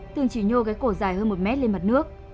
từng chỉ nhô cái cổ dài hơn một mét lên mặt nước